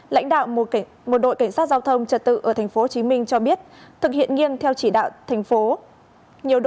lãnh đạo một đội cảnh sát giao thông trật tự ở tp hcm cho biết thực hiện nghiêng theo chỉ đạo tp hcm